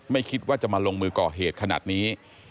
ไม่คิดว่าจะมาลงมือก่อเหตุขนาดนี้